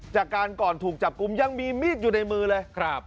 จากการก่อนถูกจับกลุ่มยังมีมีดอยู่ในมือเลย